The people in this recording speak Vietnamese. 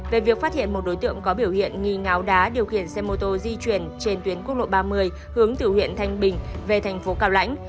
về việc phát hiện một đối tượng có biểu hiện nghi ngáo đá điều khiển xe mô tô di chuyển trên tuyến quốc lộ ba mươi hướng từ huyện thanh bình về thành phố cao lãnh